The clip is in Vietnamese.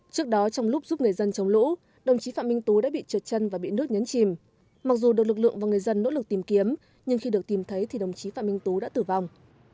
trước đó trong lúc giúp người dân chống lũ đồng chí phạm minh tố đã bị trượt chân và bị nước nhấn chìm mặc dù được lực lượng và người dân nỗ lực tìm kiếm nhưng khi được tìm thấy thì đồng chí phạm minh tố đã tử vong